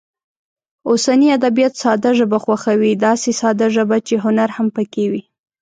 اوسني ادبیات ساده ژبه خوښوي، داسې ساده ژبه چې هنر هم پکې وي.